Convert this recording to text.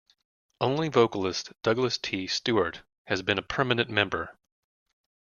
Only vocalist Duglas T. Stewart has been a permanent member.